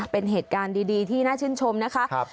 เป็นเหตุการณ์ดีที่น่าชื่นชมนะคะ